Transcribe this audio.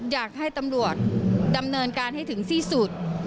อยากให้ตำรวจดำเนินการให้ถึงที่สุด